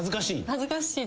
恥ずかしい？